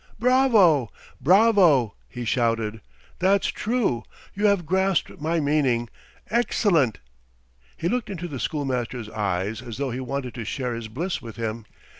"Bravo! bravo!" he shouted. "That's true! You have grasped my meaning! ... Excellent! ..." He looked into the schoolmaster's eyes as though he wanted to share his bliss with him.